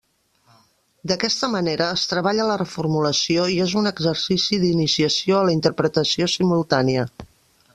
D'aquesta manera es treballa la reformulació i és un exercici d'iniciació a la interpretació simultània.